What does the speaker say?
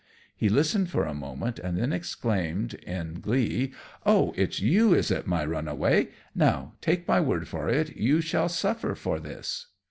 He listened for a moment, and then exclaimed, in glee, "Oh! it's you is it, my runaway? Now, take my word for it, you shall suffer for this."